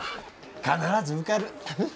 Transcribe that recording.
必ず受かる！